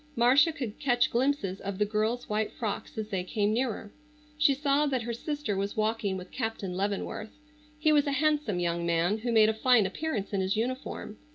Marcia could catch glimpses of the girls' white frocks as they came nearer. She saw that her sister was walking with Captain Leavenworth. He was a handsome young man who made a fine appearance in his uniform.